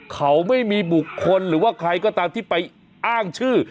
เขาไม่มีบุคคลหรือว่าใครก็ตามที่ไปอ้างชื่อ